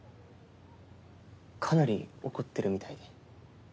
かなり怒ってるみたいで。